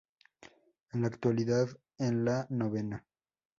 En la actualidad es la novena.